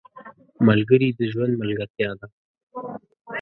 ملګري د ژوند ملګرتیا ده.